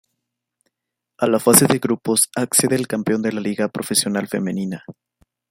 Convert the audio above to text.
A la fase de grupos accede el campeón de la Liga Profesional Femenina.